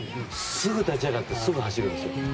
すぐ立ち上がってすぐ走るんですよ。